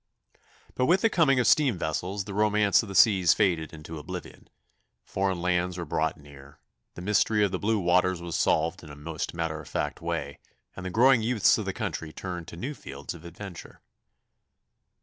But with the coming of steam vessels the romance of the seas faded into oblivion; foreign lands were brought near; the mystery of the blue waters was solved in a most matter of fact way, and the growing youths of the country turned to new fields of adventure.